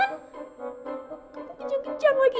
kamu kejam kejam lagi